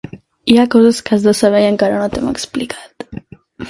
Hi ha coses que has de saber i encara no t'hem explicat.